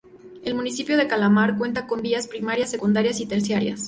El municipio de Calamar cuenta con vías primarias, secundarias y terciarias.